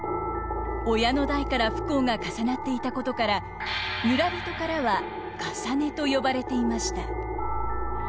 親の代から不幸が重なっていたことから村人からは「かさね」と呼ばれていました。